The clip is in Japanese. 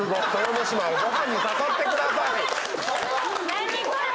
・何これ！